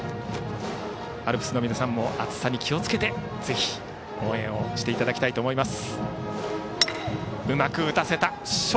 アルプスの皆さんも暑さに気をつけてぜひ応援していただきたいです。